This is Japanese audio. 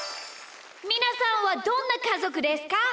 みなさんはどんなかぞくですか？